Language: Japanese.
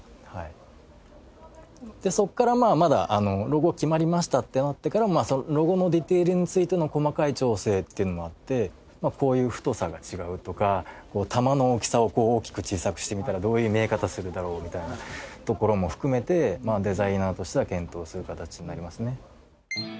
でそこからまだロゴ決まりましたってなってからもそのロゴのディテールについての細かい調整っていうのもあってこういう太さが違うとか玉の大きさをこう大きく小さくしてみたらどういう見え方するだろうみたいなところも含めてデザイナーとしては検討する形になりますね。